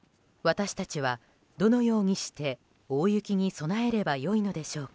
私たちはどのようにして大雪に備えれば良いのでしょうか。